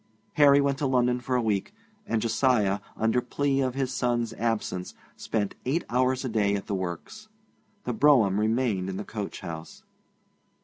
Harry went to London for a week, and Josiah, under plea of his son's absence, spent eight hours a day at the works. The brougham remained in the coach house.